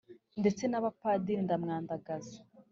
ndetse na padiri ndamwandagaza,